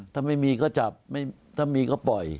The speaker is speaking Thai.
ถ้าไม่มีก็จับถ้ามีก็ปล่อย